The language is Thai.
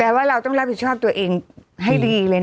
ว่าเราต้องรับผิดชอบตัวเองให้ดีเลยนะ